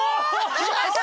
きました！